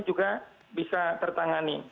juga bisa tertangani